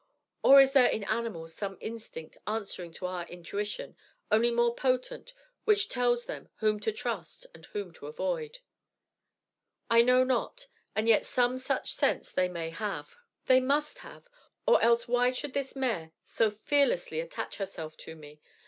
Or is there in animals some instinct, answering to our intuition, only more potent, which tells them whom to trust and whom to avoid? I know not, and yet some such sense they may have, they must have; or else why should this mare so fearlessly attach herself to me?